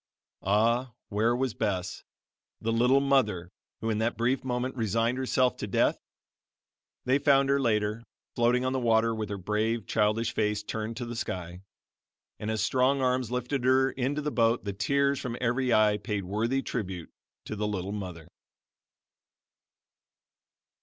Ah, where was Bess, the "little mother," who in that brief moment resigned herself to death? They found her later, floating on the water with her brave childish face turned to the sky; and as strong arms lifted her into the boat, the tears from every eye paid worthy tribute to the "little mother."